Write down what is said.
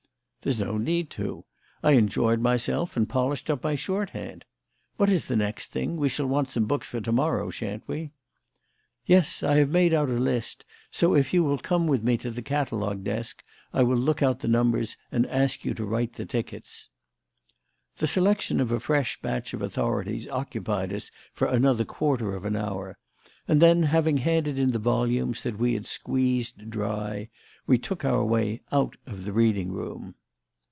"There's no need to. I've enjoyed myself and polished up my shorthand. What is the next thing? We shall want some books for to morrow, shan't we?" "Yes. I have made out a list, so if you will come with me to the catalogue desk I will look out the numbers and ask you to write the tickets." The selection of a fresh batch of authorities occupied us for another quarter of an hour, and then, having handed in the volumes that we had squeezed dry, we took our way out of the reading room.